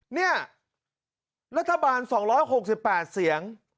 เนี่ยรัฐบาล๒๖๘เสียง